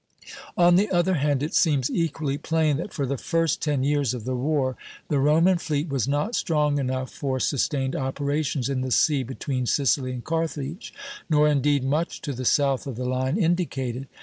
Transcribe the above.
On the other hand, it seems equally plain that for the first ten years of the war the Roman fleet was not strong enough for sustained operations in the sea between Sicily and Carthage, nor indeed much to the south of the line indicated.